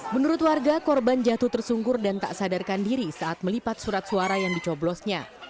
menurut warga korban jatuh tersungkur dan tak sadarkan diri saat melipat surat suara yang dicoblosnya